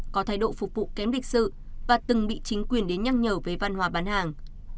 có thái độ phục vụ kém lịch sự và từng bị chính quyền đến nhắc nhở về văn hóa bán hàng